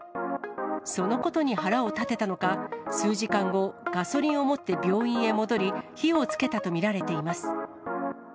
そのことに腹を立てたのか、数時間後、ガソリンを持って病院へ戻り、火をつけたと見られています。